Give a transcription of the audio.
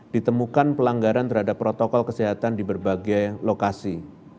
ditemukan pelanggaran terhadap protokol kesehatan di berbagai lokasi